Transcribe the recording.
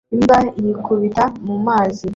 imbwa yikubita mu mazi